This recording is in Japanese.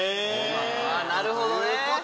なるほどね！